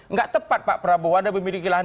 nggak tepat pak prabowo anda memiliki lahan